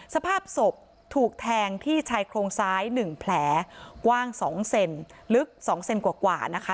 สภาพศพถูกแทงที่ชายโครงซ้าย๑แผลกว้าง๒เซนลึก๒เซนกว่านะคะ